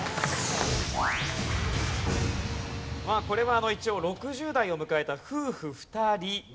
これは一応６０代を迎えた夫婦２人。